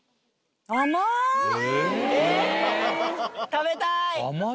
食べたい！